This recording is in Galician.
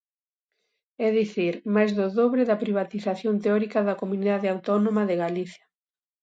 É dicir, máis do dobre da privatización teórica da Comunidade Autónoma de Galicia.